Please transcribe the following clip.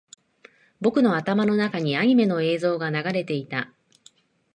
僕の頭の中にアニメの映像が流れていた